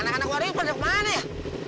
anak anak warior pada kemana ya